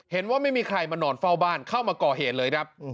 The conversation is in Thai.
เห็นว่าไม่มีใครมานอนเฝ้าบ้านเข้ามาก่อเหตุเลยครับ